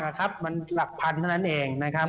ครับมันหลักพันเท่านั้นเองนะครับ